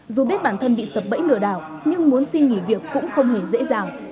dù biết bản thân bị sập bẫy lừa đảo nhưng muốn xin nghỉ việc cũng không hề dễ dàng